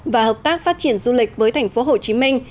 và hợp tác phát triển du lịch với thành phố hồ chí minh